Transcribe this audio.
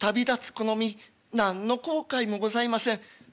この身何の後悔もございません。